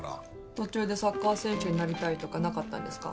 途中でサッカー選手になりたいとかなかったですか？